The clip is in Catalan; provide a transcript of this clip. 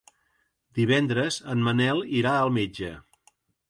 Divendres en Manel irà al metge.